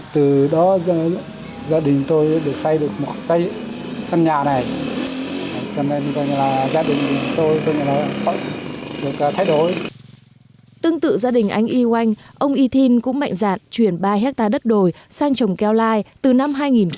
tương tự gia đình anh y oanh ông y thin cũng mạnh dạn chuyển ba hectare đất đổi sang trồng keo lai từ năm hai nghìn ba